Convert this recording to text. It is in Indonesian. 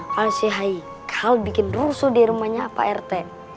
kalo si haikel bikin derusu di rumahnya pak rt